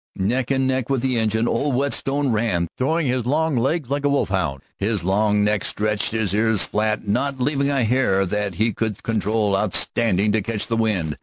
Neck and neck with the engine old Whetstone ran, throwing his long legs like a wolf hound, his long neck stretched, his ears flat, not leaving a hair that he could control outstanding to catch the wind.